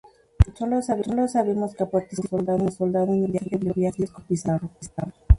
Solo sabemos que participó como soldado en el segundo viaje de Francisco Pizarro.